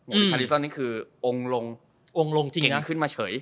โหชาลิซ่อนนี่คือองค์ลงเก่งขึ้นมาเฉย